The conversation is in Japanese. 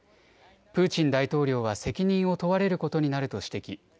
プーチン大統領は責任を問われることになると指摘。